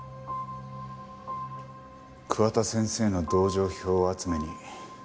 桑田先生の同情票集めに。